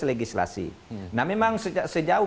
legislasi nah memang sejauh